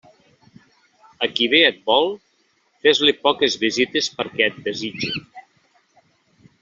A qui bé et vol, fes-li poques visites perquè et desitge.